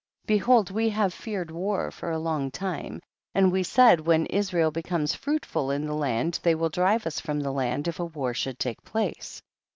20. Behold we have feared war for a long time, and we said, when Israel becomes fruitful in the land, they will drive us from the land if a war should take place.